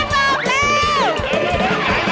คุออัฮ